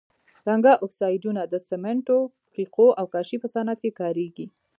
رنګه اکسایدونه د سمنټو، ښيښو او کاشي په صنعت کې کاریږي.